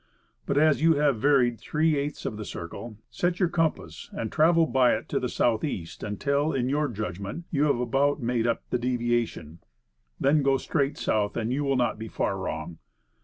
But, as you have varied three eighths of the circle, set your compass and travel by it to the southeast, until, in your judgment, you have about made up the deviation; then go straight south, and you will not be far wrong.